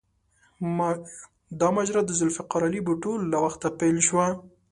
دا ماجرا د ذوالفقار علي بوټو له وخته پیل شوه.